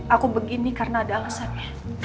aku begini karena ada alasannya